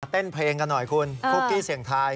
เต้นเพลงกันหน่อยคุณคุกกี้เสียงทาย